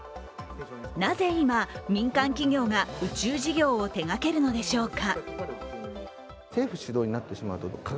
なぜ今、民間企業が宇宙事業を手がけるのでしょうか。